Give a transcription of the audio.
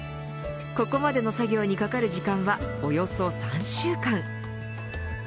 ここまでの作業にかかる時間はおよそ３週間。